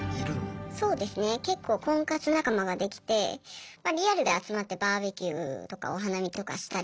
そうですね結構婚活仲間ができてリアルで集まってバーベキューとかお花見とかしたり。